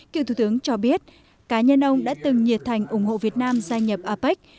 cựu thủ tướng cho biết cá nhân ông đã từng nhiệt thành ủng hộ việt nam gia nhập apec